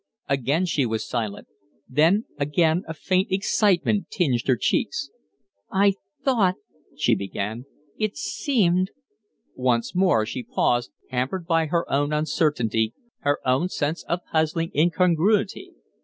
Again she was silent; then again a faint excitement tinged her cheeks. "I thought " she began. "It seemed " Once more she paused, hampered by her own uncertainty, her own sense of puzzling incongruity.